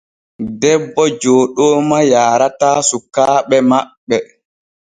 Debbo Jooɗooma yaarataa sukaaɓe maɓɓe.